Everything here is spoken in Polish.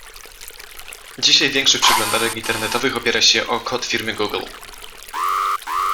Dzisiaj większość przeglądarek internetowych opiera się o kod firmy Google.